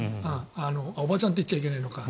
おばちゃんって言っちゃいけないのか。